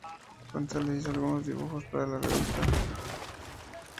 González hizo algunos dibujos para la revista.